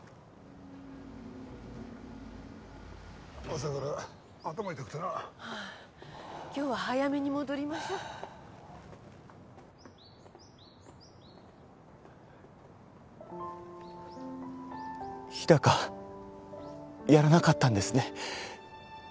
朝から頭痛くてな今日は早めに戻りましょう日高やらなかったんですね